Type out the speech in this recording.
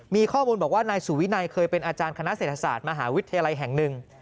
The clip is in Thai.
มีข้อมูลบอกว่านายสุวินัยเคยเป็นอาจารย์คณะเศรษฐศาสตร์มหาวิทยาลัยแห่งหนึ่ง